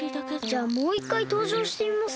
じゃあもう１かいとうじょうしてみます？